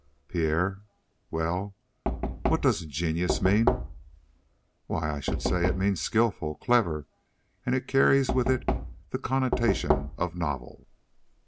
"Pierre " "Well?" "What does 'ingenious' mean?" "Why, I should say it means 'skillful, clever,' and it carries with it the connotation of 'novel.'"